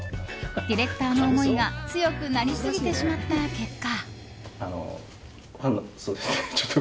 ディレクターの思いが強くなりすぎてしまった結果。